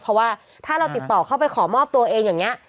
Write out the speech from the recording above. เพราะว่าถ้าเราติดต่อเข้าไปขอมอบตัวเองอย่างนี้